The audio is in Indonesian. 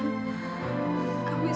milih mobil baru itu